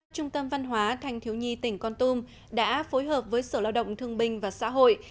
trung tâm văn hóa thanh thiếu nhi tỉnh con tum đã phối hợp với sở lao động thương binh và xã hội